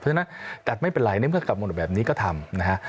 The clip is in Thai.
เพราะฉะนั้นแต่ไม่เป็นไรในเมื่อกลับหมดแบบนี้ก็ทำนะฮะ